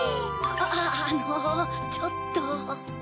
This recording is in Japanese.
あのちょっと。